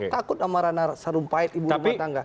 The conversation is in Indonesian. takut sama ranah sarung pahit ibu rumah tangga